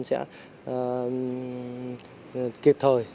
sẽ kịp thời